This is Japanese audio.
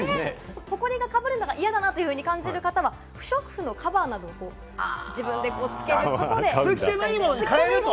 ホコリがかぶるのが嫌だと感じる方は不織布のカバーなどを自分でつけることで防げます。